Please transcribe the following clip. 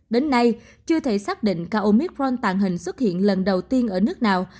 đến nay chưa thể xác định ca oifron tàn hình xuất hiện lần đầu tiên ở nước nào